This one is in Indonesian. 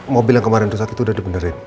mobil yang kemarin dosa kita udah dibenerin